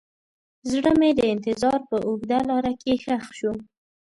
زړه مې د انتظار په اوږده لاره کې ښخ شو.